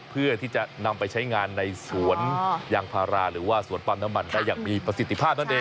เพื่อที่จะนำไปใช้งานในสวนยางพาราหรือว่าสวนปั๊มน้ำมันได้อย่างมีประสิทธิภาพนั่นเอง